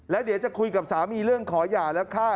แล้วเดี๋ยวจะคุยกับสามีเรื่องขอหย่าแล้วฆ่า